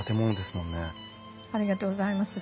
ありがとうございます。